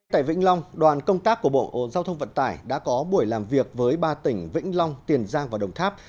tại vĩnh long đoàn công tác của bộ giao thông vận tải đã có buổi làm việc với ba tỉnh vĩnh long tiền giang và đồng tháp